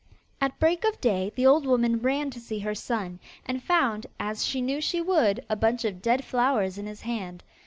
At break of day, the old woman ran to see her son, and found, as she knew she would, a bunch of dead flowers in his hand.